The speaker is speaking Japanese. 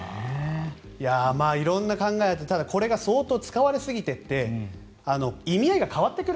色んな考えがあってただ、これが相当使われていて意味合いが変わってくる。